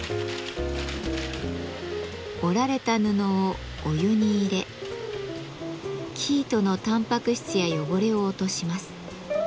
織られた布をお湯に入れ生糸のたんぱく質や汚れを落とします。